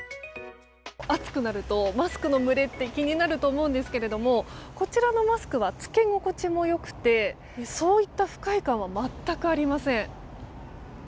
暑くなるとマスクの蒸れってになると思うんですけどこちらのマスクは着け心地も良くそういった不快感は全くありません。